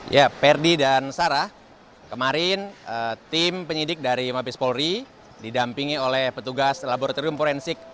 ya perdi dan sarah kemarin tim penyidik dari mabes polri didampingi oleh petugas laboratorium forensik